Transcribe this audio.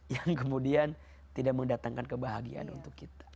yang kemudian tidak mendatangkan kebahagiaan untuk kita